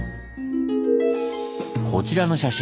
こちらの写真